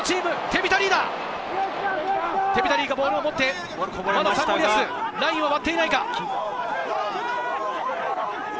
テビタ・リーがボールを持って、まだサンゴリアス、ラインを割っていないか？